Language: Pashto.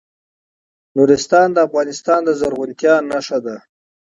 نورستان د افغانستان د زرغونتیا نښه ده.